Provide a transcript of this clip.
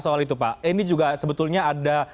soal itu pak ini juga sebetulnya ada